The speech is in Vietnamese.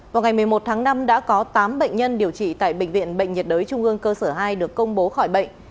vào ngày một mươi một tháng năm đã có tám bệnh nhân điều trị tại bệnh viện bệnh nhiệt đới trung ương cơ sở hai được công bố khỏi bệnh